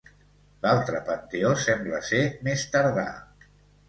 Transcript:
L'altre panteó sembla ser més tardà.